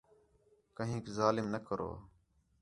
کہنیک ظلم نہ کرو